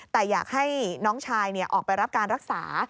แต่อยากให้น้องชายออกไปรับการรักษา